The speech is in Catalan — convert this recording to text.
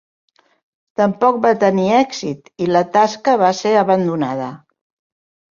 Tampoc va tenir èxit, i la tasca va ser abandonada.